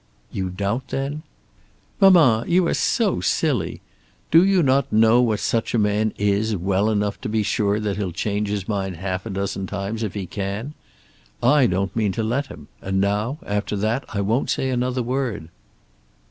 "You doubt then?" "Mamma, you are so silly! Do you not know what such a man is well enough to be sure that he'll change his mind half a dozen times if he can? I don't mean to let him; and now, after that, I won't say another word."